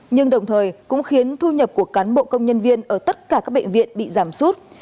nhưng đồng thời cũng khiến thu nhập của cán bộ công nhân viên ở tất cả các bệnh viện bị giảm sút